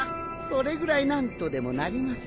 それぐらいなんとでもなりますよ。